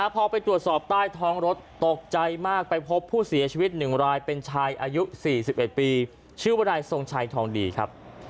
พอไปตรวจสอบใต้ท้องรถตกใจมากไปพบผู้เสียชีวิต๑รายเป็นชายอายุ๔๑ปีชื่อวนายทรงชัยทองดีครับ